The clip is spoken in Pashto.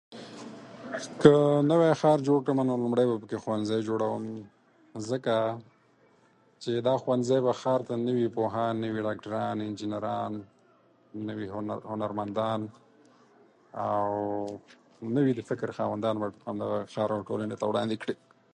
که نوی ښار جوړ کړم، نو لومړی به په کې ښوونځي جوړ کړم، ځکه چې دغه ښوونځي به ښار ته نوي پوهان، نوي ډاکټران، انجنيران، نوي هنرمندان او نوي د فکر خاوندان شار ورکوني ته وړاندې کړي.